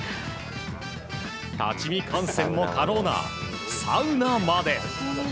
立ち見観戦も可能なサウナまで。